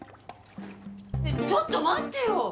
ちょっと待ってよ！